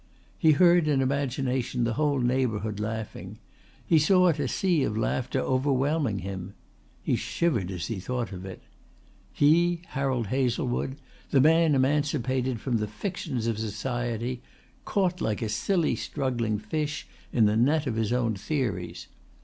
He heard in imagination the whole neighbourhood laughing he saw it a sea of laughter overwhelming him. He shivered as he thought of it. He, Harold Hazlewood, the man emancipated from the fictions of society, caught like a silly struggling fish in the net of his own theories!